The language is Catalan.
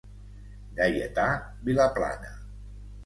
Gaietà Vilaplana.